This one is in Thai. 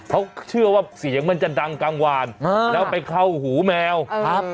เขาเชื่อว่าเสียงมันจะดังกลางวานแล้วไปเข้าหูแมวครับ